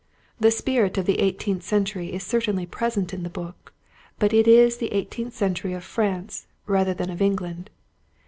The spirit of the eighteenth century is certainly present in the book, but it is the eighteenth century of France rather than of England.